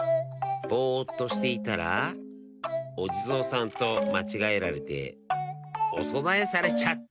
ぼっとしていたらおじぞうさんとまちがえられておそなえされちゃった。